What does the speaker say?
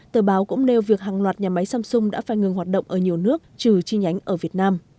tờ báo cũng nêu việc hàng loạt nhà máy samsung đã phai ngừng hoạt động ở nhiều nước trừ chi nhánh ở việt nam